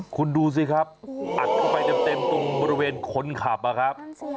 คุณดูสิครับอัดเข้าไปเต็มตรงบริเวณคนขับนะครับ